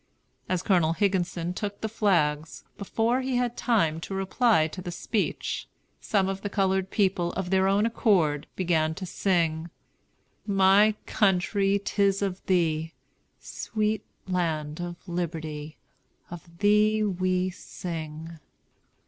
As Colonel Higginson took the flags, before he had time to reply to the speech, some of the colored people, of their own accord, began to sing, "My country, 'tis of thee, Sweet land of liberty, Of thee we sing!"